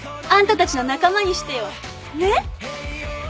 あんたたちの仲間にしてよねっ？